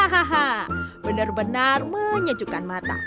hahaha benar benar menyejukkan mata